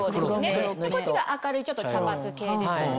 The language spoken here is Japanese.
こっちが明るい茶髪系ですよね。